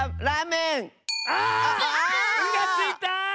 「ん」がついた！